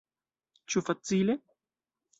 Ĉu facile?